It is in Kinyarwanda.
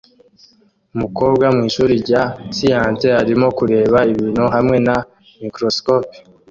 Umukobwa mwishuri rya siyanse arimo kureba ibintu hamwe na microscope